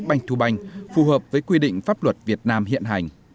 banh thu banh phù hợp với quy định pháp luật việt nam hiện hành